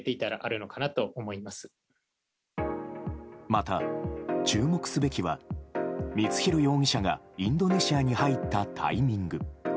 また、注目すべきは光弘容疑者がインドネシアに入ったタイミング。